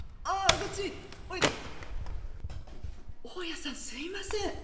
「あっ大家さんすいません。